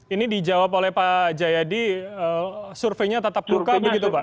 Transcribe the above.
ini dijawab oleh pak jayadi surveinya tatap muka begitu pak